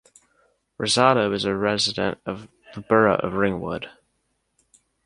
Rosado is a resident of the Borough of Ringwood.